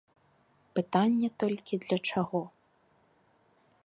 Пытанне толькі для чаго.